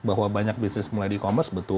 bahwa banyak bisnis mulai di e commerce betul